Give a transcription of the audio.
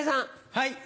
はい。